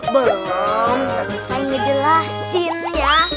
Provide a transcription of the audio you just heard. belom selesai ngedelasin ya